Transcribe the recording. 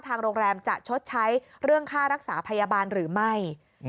ทางโรงแรมจะชดใช้เรื่องค่ารักษาพยาบาลหรือไม่